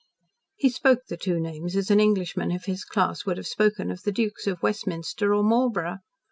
He spoke the two names as an Englishman of his class would have spoken of the Dukes of Westminster or Marlborough.